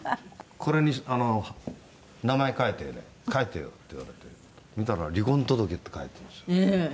「“これに名前書いて書いてよ”って言われて見たら離婚届って書いてるんですよ」